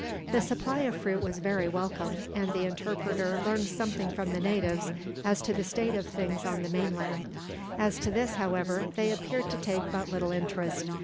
The supply of fruit was very welcome, and the interpreter learned something from the natives as to the state of things on the mainland. As to this, however, they appeared to take but little interest.